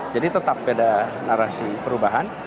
jadi tetap beda narasi perubahan